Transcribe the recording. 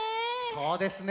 そうですね。